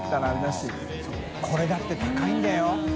修これだって高いんだよ？